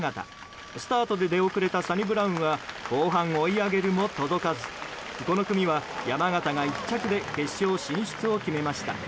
スタートで出遅れたサニブラウンは後半追い上げるも届かずこの組は山縣が１着で決勝進出を決めました。